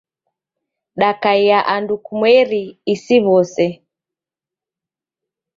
Dakaia andu kumweri isi w'ose.